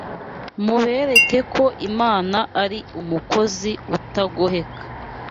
Mubereke ko Imana ari umukozi utagoheka